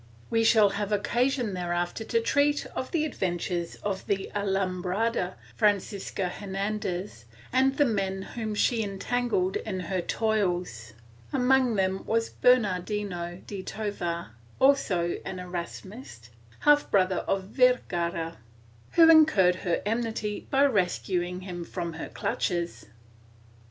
^ We shall have occasion hereafter to treat of the adventures of the alumbrada Francisca Hernandez and the men whom she entangled in her toils; among them was Bernardino de Tovar, also an Erasmist, half brother of Vergara, who incurred her enmity by rescuing him from her clutches.